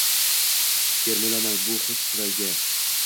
Termulaman bu xush chiroyga